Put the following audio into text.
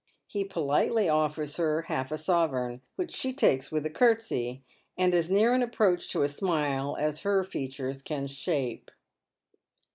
He politely offers her half a sovereign, which she takes with a curtsey, and as near an approach to a smile as her features can shape.